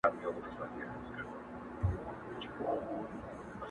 انساني وجدان پوښتنه راپورته کوي تل-